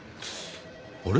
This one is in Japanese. あれ？